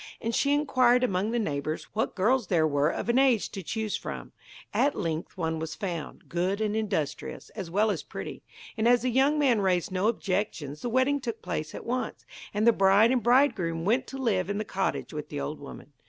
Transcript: And she inquired among the neighbours what girls there were of an age to choose from. At length one was found, good and industrious, as well as pretty; and as the young man raised no objections the wedding took place at once, and the bride and bridegroom went to live in the cottage with the old woman.